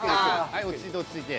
はい落ち着いて落ち着いて。